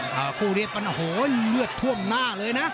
ฮุเหรธโอ้โหเหรียดท่วมหน้าเลยนะ